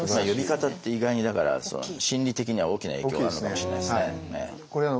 呼び方って意外に心理的には大きな影響があるのかもしれないですね。